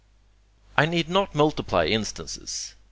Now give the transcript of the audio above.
I need not multiply instances.